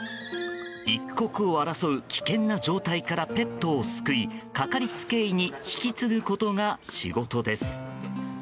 一刻を争う危険な状態からペットを救いかかりつけ医に引き継ぐことが仕事です。